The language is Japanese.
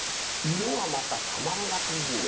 色がまたたまらなくいいね。